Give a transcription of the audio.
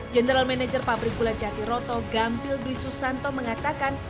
general manager pabrik gula jatiroto gampil dwi susanto mengatakan